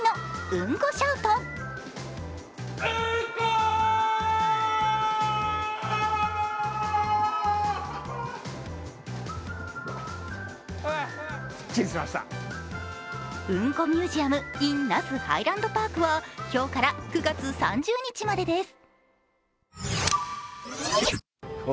うんこミュージアムｉｎ那須ハイランドパークは今日から９月３０日までです。